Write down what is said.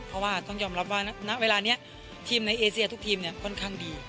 เพราะว่าต้องยอมรับว่าณเวลานี้ทีมในเอเซียทุกทีมเนี่ยค่อนข้างดี